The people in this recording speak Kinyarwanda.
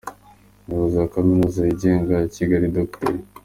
Umuyobozi wa Kaminuza yigenga ya Kigali, Dr.